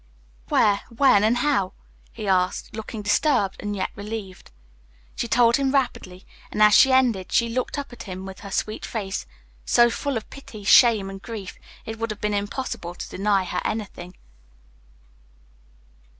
"Where, when, and how?" he asked, looking disturbed and yet relieved. She told him rapidly, and as she ended she looked up at him with her sweet face, so full of pity, shame, and grief it would have been impossible to deny her anything.